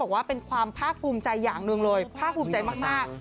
บอกว่าเป็นความภาคภูมิใจอย่างหนึ่งเลยภาคภูมิใจมาก